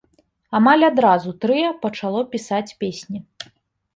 Амаль адразу трыа пачало пісаць песні.